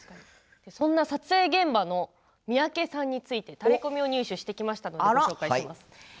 そんな撮影現場の三宅さんについてタレコミを入手してきましたのでご紹介します。